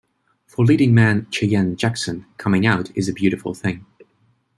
For leading man Cheyenne Jackson, coming out is a beautiful thing.